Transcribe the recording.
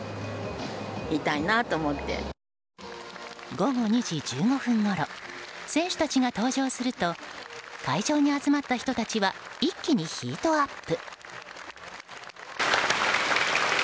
午後２時１５分ごろ選手たちが登場すると会場に集まった人たちは一気にヒートアップ。